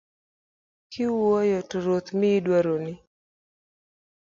Kikuayo to Ruoth miyi dwaroni